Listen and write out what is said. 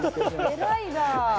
偉いなあ。